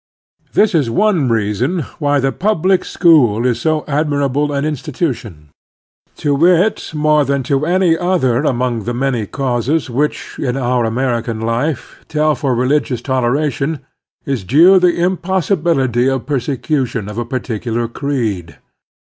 This is one reason why the public school is so admirable an institution. To it more than to any other among the many causes which, in our Amer ican life, tell for religious toleration is due the im possibility of persecution of a particular creed.